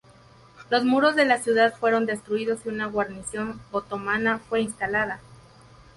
Los muros de la ciudad fueron destruidos y una guarnición otomana fue instalada.